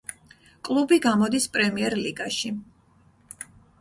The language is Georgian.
კლუბი გამოდის პრემიერლიგაში.